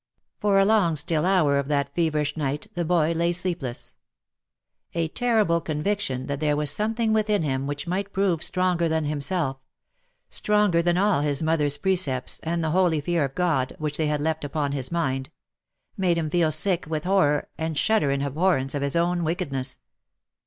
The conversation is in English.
For a long still hour of that feverish night, the boy lay sleepless. A terrible conviction that there was something within him which might prove stronger than himself — stronger than all his mother's precepts, and the holy fear of God which they had left upon his mind — made him feel sick with horror, and shudder in abhorrence of his own wicked ness.